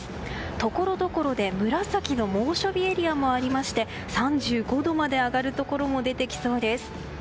ところどころで紫の猛暑日エリアもありまして３５度まで上がるところも出てきそうです。